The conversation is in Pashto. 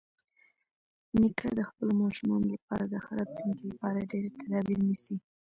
نیکه د خپلو ماشومانو لپاره د ښه راتلونکي لپاره ډېری تدابیر نیسي.